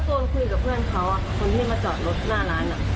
คนที่มาจอดรถหน้าร้านอ่ะ